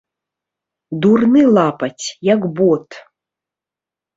Дурны лапаць, як бот!